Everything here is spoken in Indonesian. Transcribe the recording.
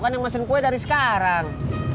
kan yang mesen kue dari sekarang